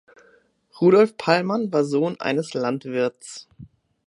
Rudolf Pallmann war Sohn eines Landwirts.